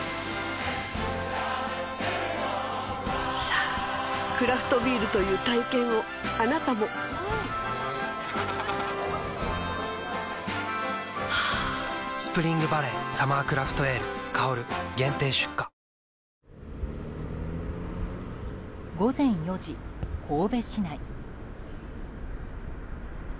さぁクラフトビールという体験をあなたも「スプリングバレーサマークラフトエール香」限定出荷午前４時、神戸市内。